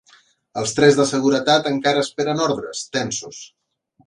Els tres de seguretat encara esperen ordres, tensos.